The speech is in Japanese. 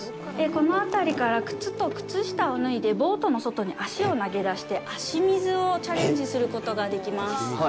この辺りから靴と靴下を脱いでボートの外に足を投げ出して足水をチャレンジすることができます。